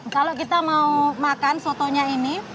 kalau kita mau makan sotonya ini